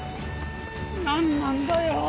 何なんだよ！